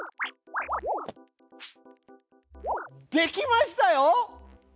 できましたよ！